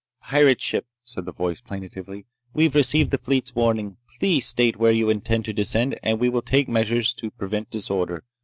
"Pirate ship!" said the voice plaintively, "we received the fleet's warning. Please state where you intend to descend, and we will take measures to prevent disorder.